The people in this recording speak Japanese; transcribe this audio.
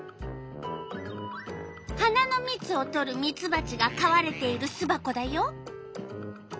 花のみつをとるミツバチがかわれているすばこだよ。